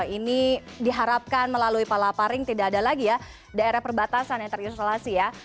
ini diharapkan melalui palaparing tidak ada lagi ya daerah perbatasan yang terisolasi ya